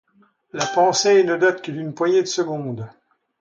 La pensée ne date que d’une poignée de secondes…